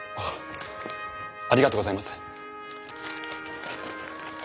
ありがとうございます。